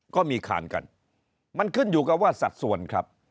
ก็มีคานกันมันขึ้นอยู่กับว่าสัดส่วนครับ